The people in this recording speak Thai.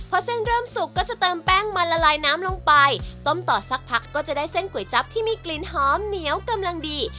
พอเส้นเริ่มสุกก็จะเติมแป้งมันละลายน้ำลงไปต้มต่อสักพักก็จะได้เส้นก๋วยจั๊บที่มีกลิ่นหอมเหนียวกำลังดี